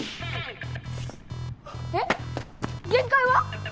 えっ限界は？